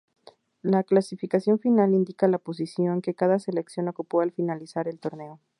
La clasificación final indica la posición que cada selección ocupó al finalizar el torneo.